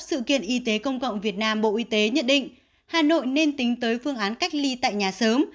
sự kiện y tế công cộng việt nam bộ y tế nhận định hà nội nên tính tới phương án cách ly tại nhà sớm